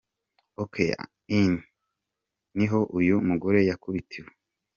Oak Inn niho uyu mugore yakubitiwe.